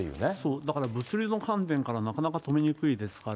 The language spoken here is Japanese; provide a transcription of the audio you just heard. だから物流の観点から、なかなか止めにくいですから。